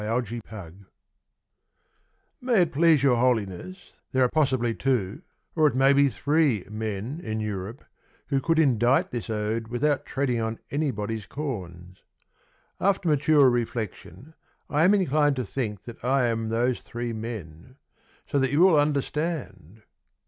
TO THE POPE May it please your Holiness There are possibly two, Or it may be three, Men In Europe Who could indite this Ode Without treading on anybody's corns. After mature reflection, I am inclined to think that I am those three men So that you will understand.